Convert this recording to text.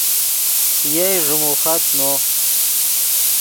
یئے ݱیموخت نو